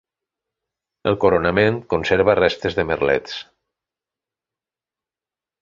El coronament conserva restes de merlets.